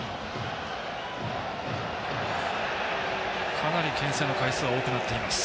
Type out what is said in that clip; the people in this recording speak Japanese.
かなり、けん制の回数が多くなっています。